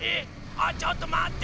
あちょっとまって！